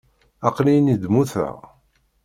Aql-i ini-d mmuteɣ.